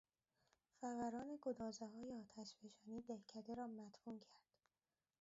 فوران گدازههای آتشفشانی دهکده را مدفون کرد.